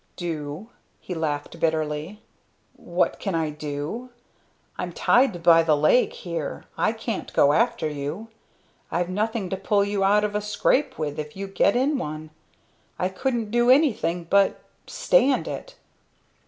"Do?" The laughed bitterly. "What can I do? I'm tied by the leg here I can't go after you. I've nothing to pull you out of a scrape with if you get in one. I couldn't do anything but stand it."